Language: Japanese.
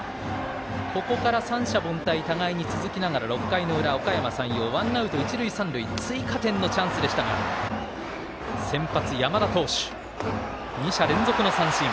ここから三者凡退互いに続きながら６回の裏おかやま山陽、ワンアウト一塁三塁追加点のチャンスでしたが先発、山田投手２者連続三振。